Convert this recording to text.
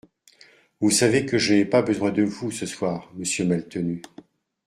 Vous savez que je n’ai pas besoin de vous, ce soir, Monsieur Maltenu…